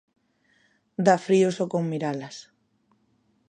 Dá frío só con miralas.